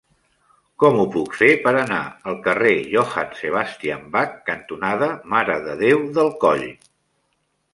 Com ho puc fer per anar al carrer Johann Sebastian Bach cantonada Mare de Déu del Coll?